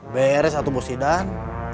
beres atuh bos tidan